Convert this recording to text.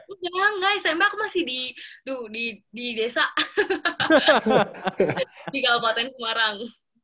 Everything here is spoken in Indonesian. udah nggak smp aku masih di desa di kalpaten semarang